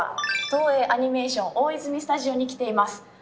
今日は、東映アニメーション大泉スタジオに来ています。